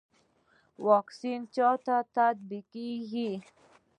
واکسین چا ته تطبیقیږي؟